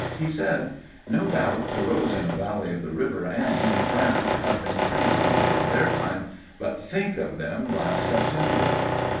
He said: "No doubt the roads in the valley of the river Aisne, in France, have been pretty lonely in their time, but think of them last September!"